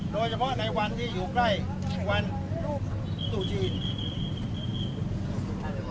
โดยเฉพาะในวันที่อยู่ใกล้วันตู้จีน